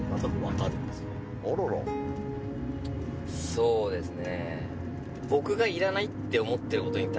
そうですね。